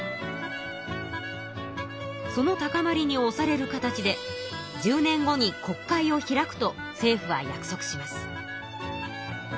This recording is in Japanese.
その高まりにおされる形で１０年後に国会を開くと政府は約束します。